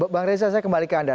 bang reza saya kembali ke anda